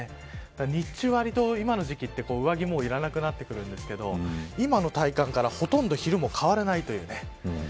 日中、わりと今の時期は上着がいらなくなってくるんですが今の体感からほとんど昼も変わらないという。